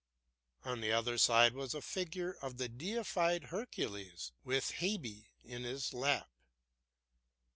On the other side was a figure of the deified Hercules, with Hebe in his lap.